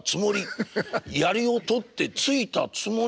「やりを取って突いたつもり」。